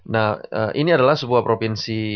nah ini adalah sebuah provinsi